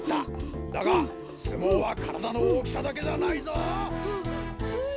だがすもうはからだのおおきさだけじゃないぞ！ははい。